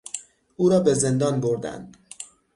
او را به زندان بردند.